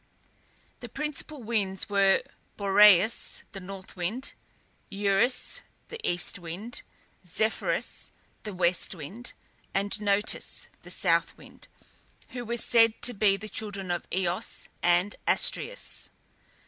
The principal winds were: Boreas (the north wind), Eurus (the east wind), Zephyrus (the west wind), and Notus (the south wind), who were said to be the children of Eos and Astræus.